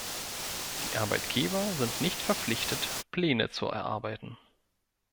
Die Arbeitgeber sind nicht verpflichtet, Pläne zu erarbeiten.